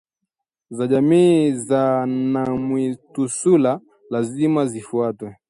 za jamii ya Namwitsula lazima zifuatwe